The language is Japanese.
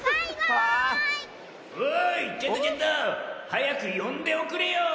はやくよんでおくれよ。